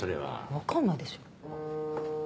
わかんないでしょ。